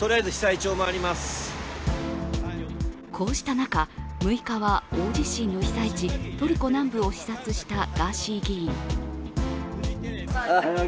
こうした中、６日は大地震の被災地トルコ南部を視察したガーシー議員。